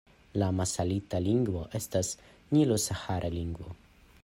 La masalita lingvo estas nilo-sahara lingvo.